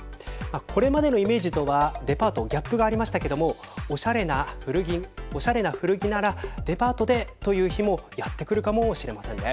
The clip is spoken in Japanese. これまでのイメージとはデパートギャップがありましたけどもおしゃれな古着ならデパートでという日もやって来るかもしれませんね。